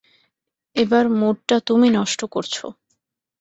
এবার মুডটা তুমি নষ্ট করছো।